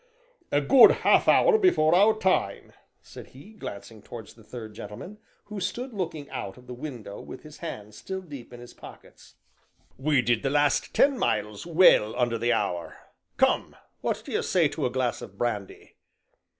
"A good half hour before our time," said he, glancing towards the third gentleman, who stood looking out of the window with his hands still deep in his pockets; "we did the last ten miles well under the hour come, what do you say to a glass of brandy?"